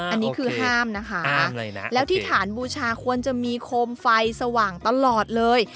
อันนี้คือห้ามนะคะแล้วที่ฐานบูชาควรจะมีโคมไฟสว่างตลอดเลย